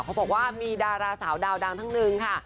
เขาบอกว่ามีดาราสาวดาวดังทั้งนึงค่ะ